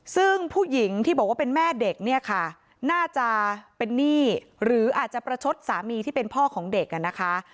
ซึ่งผู้หญิงที่บอกว่าเป็นแม่เด็กเนี่ยค่ะน่าจะเป็นหนี้หรืออาจจะประชดสามีที่เป็นพ่อของเด็กอ่ะนะคะ